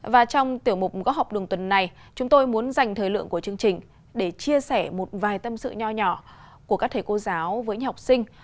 và trong tiểu mục góc học đường tuần này chúng tôi muốn dành thời lượng của chương trình để chia sẻ một vài tâm sự nhỏ nhỏ của các thầy cô giáo với nhau học sinh